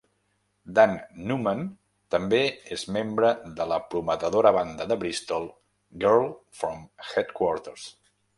Dan Newman també és membre de la prometedora banda de Bristol Girl From Headquarters.